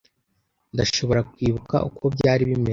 Ndashobora kwibuka uko byari bimeze.